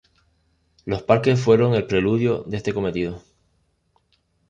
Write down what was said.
Los parques fueron el preludio de este cometido.